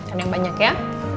ada yang banyak ya